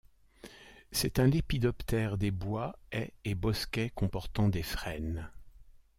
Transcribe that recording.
C'est un lépidoptère des bois, haies et bosquets comportant des frênes.